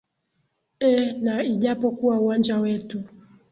ee na ijapokuwa uwanja wetu